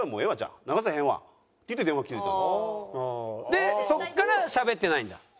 でそこからしゃべってないんだ？